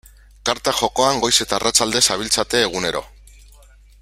Karta jokoan goiz eta arratsalde zabiltzate egunero.